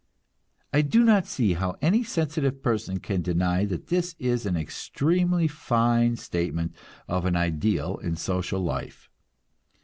I do not see how any sensitive person can deny that this is an extremely fine statement of an ideal in social life.